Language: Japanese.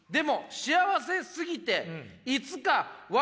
幸せすぎて」